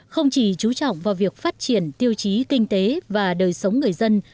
không chỉ trú trọng vào việc phát triển tiêu chí kinh tế và đời sống người dân